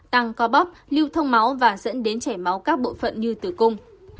tăng co bắp lưu thông máu và dẫn đến chảy máu các bộ phận như tử cung